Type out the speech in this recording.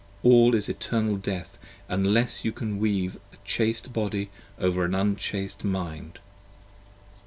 All is Eternal Death unless you can weave a chaste Body over an unchaste Mind!